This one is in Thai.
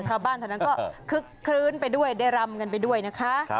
ชาวบ้านเท่านั้นก็คึกคลื้นไปด้วยได้รำกันไปด้วยนะคะ